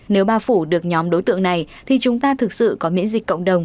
nếu bao phủ được nhóm đối tượng này thì chúng ta thực sự có miễn dịch cộng đồng